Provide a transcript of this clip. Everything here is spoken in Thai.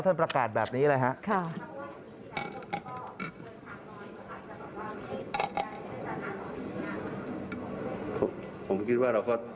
ท่านประกาศแบบนี้เลยฮะค่ะค่ะ